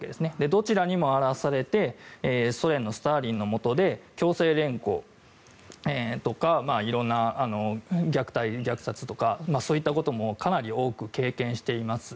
どちらにも荒らされてソ連のスターリンのもとで強制連行とか色んな虐待、虐殺とかそういったこともかなり多く経験しています。